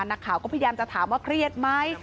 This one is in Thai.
นักข่าวก็พยายามจะถามว่าเครียดไหม